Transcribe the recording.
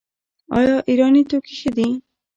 آیا ایراني توکي ښه دي؟